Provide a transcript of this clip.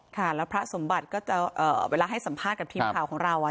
ค่ะแล้วพระสมบัติก็จะเวลาให้สัมภาษณ์กับทีมข่าวของเรา